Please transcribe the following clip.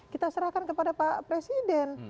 kita serahkan kepada pak presiden